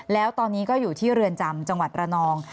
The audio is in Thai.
แล้วตอนนี้ก็อยู่ที่เรือนจำจังหวัดระนอง